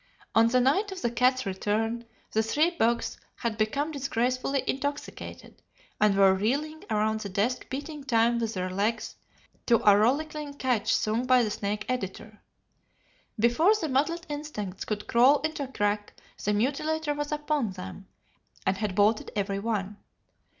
On the night of the cat's return, the three bugs had become disgracefully intoxicated, and were reeling around the desk beating time with their legs to a rollicking catch sung by the Snake Editor. Before the muddled insects could crawl into a crack, the Mutilator was upon them, and had bolted every one.